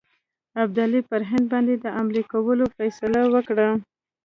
ابدالي پر هند باندي د حملې کولو فیصله وکړه.